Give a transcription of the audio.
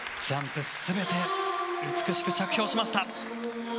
ジャンプ全て美しく着氷しました。